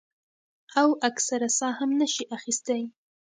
او اکثر ساه هم نشي اخستے ـ